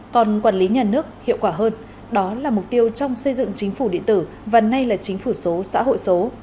còn quản lý nhà nước hiệu quả hơn đó là mục tiêu trong xây dựng chính phủ điện tử và nay là chính phủ số xã hội số